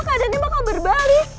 kadannya bakal berbalik